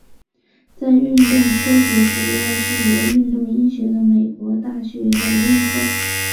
在运动科学主要是由运动医学的美国大学的认可。